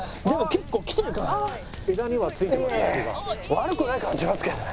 悪くない感じしますけどね。